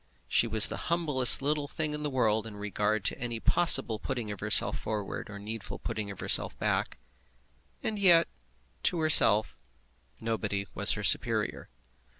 She was the humblest little thing in the world in regard to any possible putting of herself forward or needful putting of herself back; and yet, to herself, nobody was her superior.